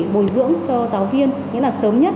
bồi dưỡng cho giáo viên nghĩa là sớm nhất